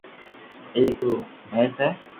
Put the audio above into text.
ايڪ رو منيس ھي